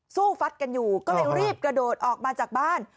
ฟัดกันอยู่ก็เลยรีบกระโดดออกมาจากบ้าน